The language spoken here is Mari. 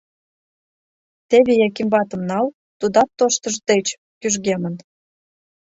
Теве Яким ватым нал, тудат тоштыж деч кӱжгемын.